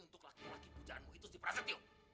untuk laki laki pujaanmu itu sti prasetyo